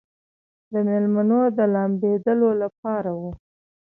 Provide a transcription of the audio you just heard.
د مېلمنو د لامبېدلو لپاره و.